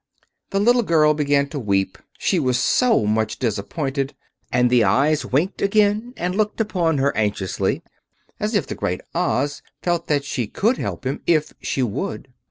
The little girl began to weep, she was so much disappointed; and the eyes winked again and looked upon her anxiously, as if the Great Oz felt that she could help him if she would.